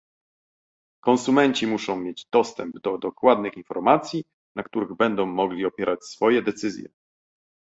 Konsumenci muszą mieć dostęp do dokładnych informacji, na których będą mogli opierać swoje decyzje